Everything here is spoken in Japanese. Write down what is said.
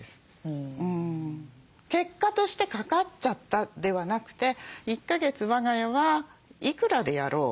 結果としてかかっちゃったではなくて１か月我が家はいくらでやろう。